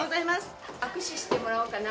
握手してもらおうかな。